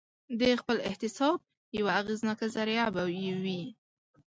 د خپل احتساب یوه اغېزناکه ذریعه به یې وي.